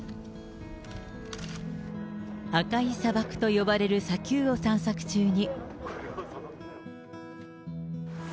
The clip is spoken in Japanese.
赤い砂漠と呼ばれる砂丘を散策中に。